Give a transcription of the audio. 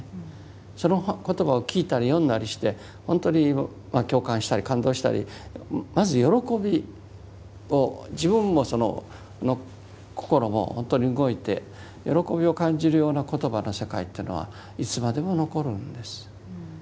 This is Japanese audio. その言葉を聞いたり読んだりしてほんとに共感したり感動したりまず喜びを自分の心もほんとに動いて喜びを感じるような言葉の世界というのはいつまでも残るんです。